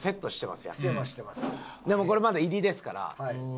でもこれまだ入りですから。